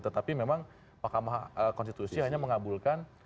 tetapi memang mahkamah konstitusi hanya mengabulkan